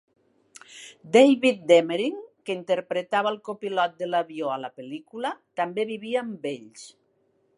David Demering, que interpretava el copilot de l'avió a la pel·lícula, també vivia amb ells.